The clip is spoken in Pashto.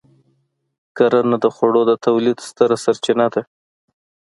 کرنه د خوړو د تولید ستره سرچینه ده.